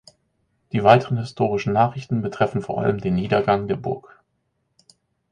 Die weiteren historischen Nachrichten betreffen vor allem den Niedergang der Burg.